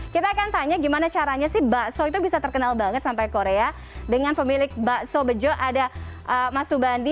kita akan tanya gimana caranya sih bakso itu bisa terkenal banget sampai korea dengan pemilik bakso bejo ada mas subandi